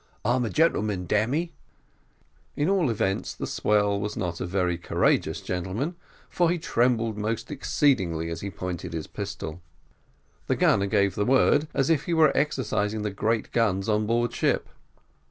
I'm a gentleman, damme!" At all events, the swell was not a very courageous gentleman, for he trembled most exceedingly as he pointed his pistol. The gunner gave the word, as if he were exercising the great guns on board ship.